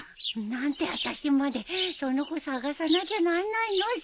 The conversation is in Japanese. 何であたしまでその子捜さなきゃなんないのさ。